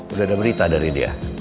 terus ada berita dari dia